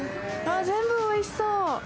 全部おいしそう。